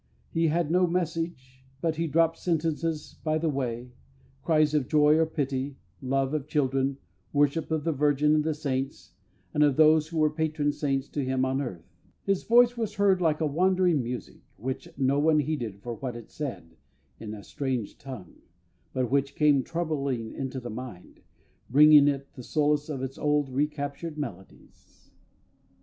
He had no message, but he dropt sentences by the way, cries of joy or pity, love of children, worship of the Virgin and the Saints, and of those who were patron saints to him on earth; his voice was heard like a wandering music, which no one heeded for what it said, in a strange tongue, but which came troublingly into the mind, bringing it the solace of its old, recaptured melodies.